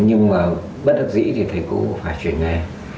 nhưng mà bất đắc dĩ thì thầy cô cũng phải chuyển nghề